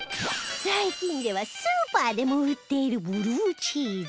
最近ではスーパーでも売っているブルーチーズ